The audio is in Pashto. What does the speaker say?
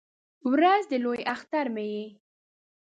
ورځ د لوی اختر مې یې